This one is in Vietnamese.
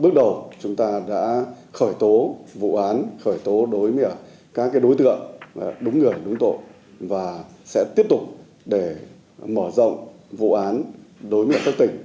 bước đầu chúng ta đã khởi tố vụ án khởi tố đối với các đối tượng đúng người đúng tội và sẽ tiếp tục để mở rộng vụ án đối với các tỉnh